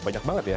banyak banget ya